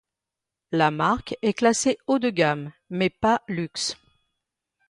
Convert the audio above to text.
La marque est classée haut-de-gamme, mais pas luxe.